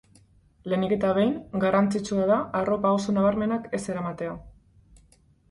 Lehenik eta behin, garrantzitsua da arropa oso nabarmenak ez eramatea.